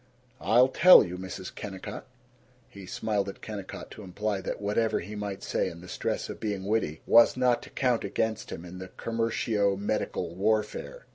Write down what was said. "I'll tell you, Mrs. Kennicott." He smiled at Kennicott, to imply that whatever he might say in the stress of being witty was not to count against him in the commercio medical warfare.